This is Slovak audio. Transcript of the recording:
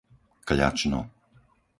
Kľačno